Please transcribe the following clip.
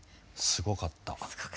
すごかった。